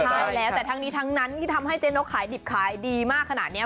ใช่แล้วแต่ทั้งนี้ทั้งนั้นที่ทำให้เจ๊นกขายดิบขายดีมากขนาดนี้